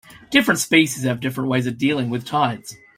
Different species have different ways of dealing with tides.